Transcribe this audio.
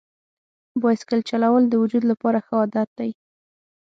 بایسکل چلول د وجود لپاره ښه عادت دی.